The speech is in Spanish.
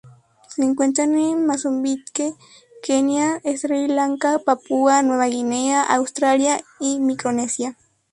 Se encuentra en Mozambique, Kenia, Sri Lanka, Papúa Nueva Guinea, Australia y Micronesia.